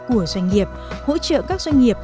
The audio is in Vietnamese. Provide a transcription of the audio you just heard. của doanh nghiệp hỗ trợ các doanh nghiệp